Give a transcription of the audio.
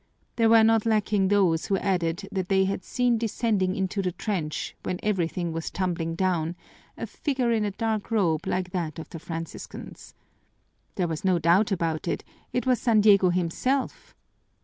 There were not lacking those who added that they had seen descending into the trench, when everything was tumbling down, a figure in a dark robe like that of the Franciscans. There was no doubt about it; it was San Diego himself!